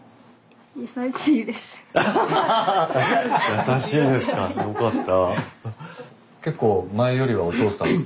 優しいですかよかった。